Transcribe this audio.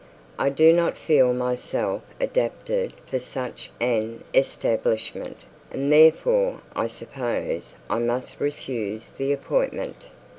I do not feel myself adapted for such an establishment, and therefore, I suppose, I must refuse the appointment.'